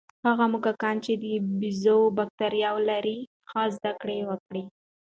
هغه موږکان چې د بیزو بکتریاوې لري، ښې زده کړې وکړې.